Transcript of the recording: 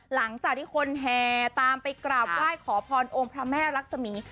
หลังจากที่คนแห่ตามไปกราบไหว้ขอพรองค์พระแม่รักษมี